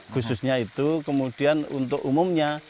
khususnya itu kemudian untuk umumnya